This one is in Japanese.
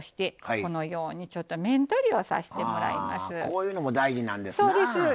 こういうのも大事なんですな。